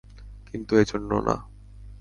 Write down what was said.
কিন্তু এজন্য না।